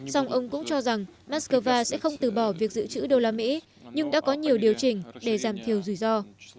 song ông cũng cho rằng moscow sẽ không từ bỏ việc dự trữ đô la mỹ nhưng đã có nhiều điều chỉnh để giảm thiểu rủi ro